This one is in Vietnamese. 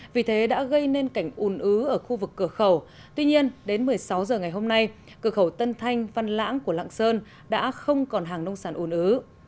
vì thế đã gây nên cảnh un ứ ở khu vực cửa khẩu tuy nhiên đến một mươi sáu h ngày hôm nay cửa khẩu tân thanh văn lãng của lạng sơn đã không còn hàng nông sản ồn ứ